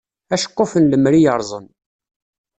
Aceqquf n lemri yerẓen.